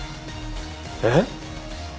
えっ？